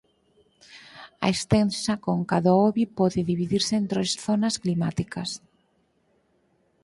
A extensa conca do Obi pode dividirse en tres zonas climáticas.